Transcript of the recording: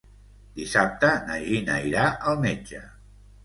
Dissabte na Gina irà al metge.